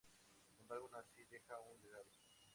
Sin embargo aún así deja un legado.